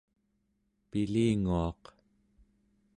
pilinguaq